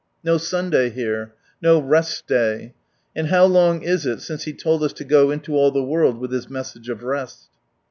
No Sunday here. No Rest Day. And how long is it since He told us to go into ail the world with His Message of Rest